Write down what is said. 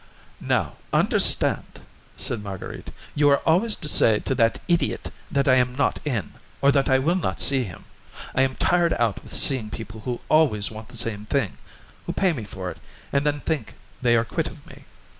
"Now understand," said Marguerite, "you are always to say to that idiot that I am not in, or that I will not see him. I am tired out with seeing people who always want the same thing; who pay me for it, and then think they are quit of me.